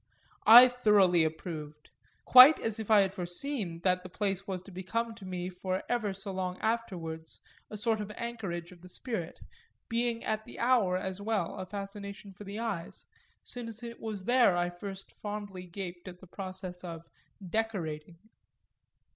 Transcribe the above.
I thoroughly approved quite as if I had foreseen that the place was to become to me for ever so long afterwards a sort of anchorage of the spirit, being at the hour as well a fascination for the eyes, since it was there I first fondly gaped at the process of "decorating."